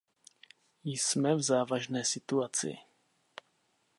Jsme v závažné situaci.